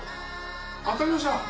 当たりました。